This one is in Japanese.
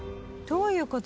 どういう事？